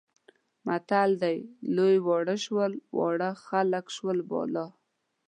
متل دی لوی واړه شول، واړه خلک شول بالا.